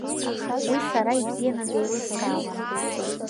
Уи сара ибзианы деилыскаауан.